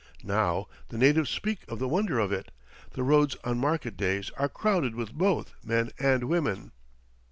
Now the natives speak of the wonder of it the roads on market days are crowded with both men and women.